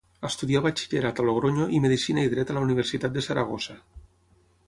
Estudià batxillerat a Logronyo i medicina i dret a la Universitat de Saragossa.